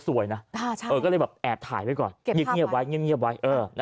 สวยนะก็เลยแบบแอบถ่ายไว้ก่อนเก็บเงียบไว้เงียบไว้